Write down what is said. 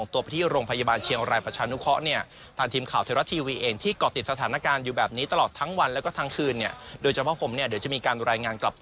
ทีมข่าวสุรรัสทีวีรายงานครับ